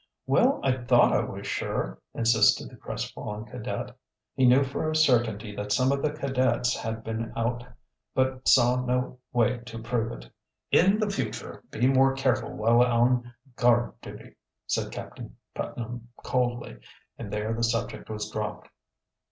"Well, I thought I was sure," insisted the crestfallen cadet. He knew for a certainty that some of the cadets had been out but saw no way to prove it. "In the future be more careful while on guard duty," said Captain Putnam coldly; and there the subject was dropped.